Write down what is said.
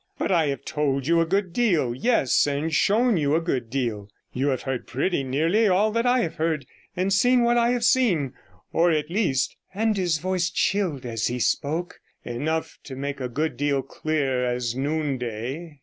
'But I have told you a good deal; yes, and shown you a good deal; you have heard pretty nearly all that I have heard, and seen what I have seen; or at least,' and his voice chilled as he spoke, 'enough to make a good deal clear as noonday.